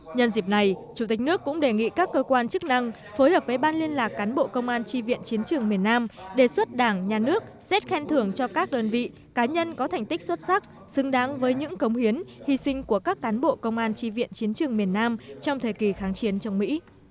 nhân dịp này chủ tịch nước cũng đề nghị các cơ quan chức năng phối hợp với ban liên lạc cán bộ công an tri viện chiến trường miền nam đề xuất đảng nhà nước xét khen thưởng cho các đơn vị cá nhân có thành tích xuất sắc xứng đáng với những cống hiến hy sinh của các cán bộ công an tri viện chiến trường miền nam trong thời kỳ kháng chiến trong mỹ